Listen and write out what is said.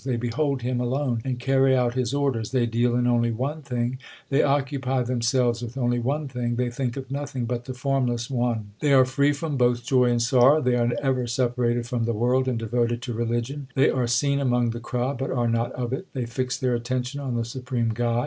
They behold Him alone and carry out His orders ; They deal in only one thing, they occupy themselves with only one thing ; They think of nothing but the Formless One ; They are free from both joy and sorrow ; They are ever separated from the world, and devoted to religion ; They are seen among the crowd, but are not of it ; They fix their attention on the supreme God.